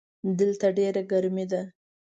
دلته ډېره ګرمي ده.